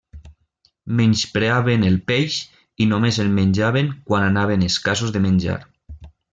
Menyspreaven el peix i només el menjaven quan anaven escassos de menjar.